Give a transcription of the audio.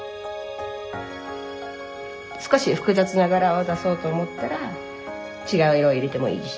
少し複雑な柄を出そうと思ったら違う色を入れてもいいし。